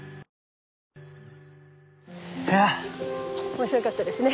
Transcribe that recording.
面白かったですね。